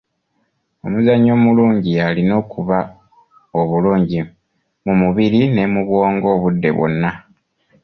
Omuzanyi omulungi yalina okuba obulungi mu mubiri ne mu bwongo obudde bwonna.